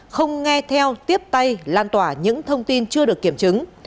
không nghe theo tiếp tay lan tỏa những thông tin chưa được kiểm chứng